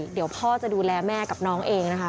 เดี๋ยวพ่อจะดูแลแม่กับน้องเองนะคะ